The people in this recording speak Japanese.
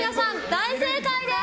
大正解です！